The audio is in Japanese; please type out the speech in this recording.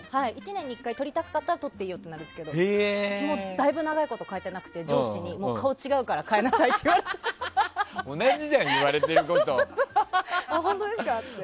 １年に１回撮りたかったら撮っていいよとなるんですが私もうだいぶ長いこと変えていなくて上司にもう顔違うから変えなさいって言われて。